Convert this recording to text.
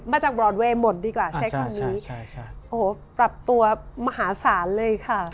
จากบรอนเวย์หมดดีกว่าใช้คำนี้โอ้โหปรับตัวมหาศาลเลยค่ะ